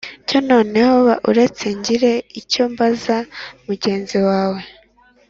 Cyo noneho ba uretse ngire icyo mbaza mugenzi wawe